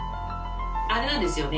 あるんですよね。